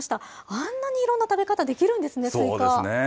あんなにいろんな食べ方、できるそうなんですね。